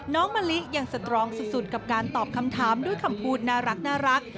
มะลิยังสตรองสุดกับการตอบคำถามด้วยคำพูดน่ารัก